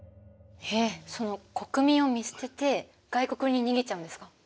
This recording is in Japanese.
えっ国民を見捨てて外国に逃げちゃうんですか？